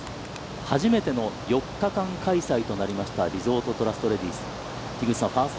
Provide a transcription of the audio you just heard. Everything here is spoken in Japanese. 初めての４日間開催となりましたリゾートトラストレディス。